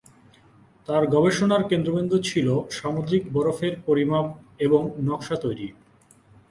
তাঁর গবেষণার কেন্দ্রবিন্দু ছিল সামুদ্রিক বরফের পরিমাপ এবং নকশা তৈরি।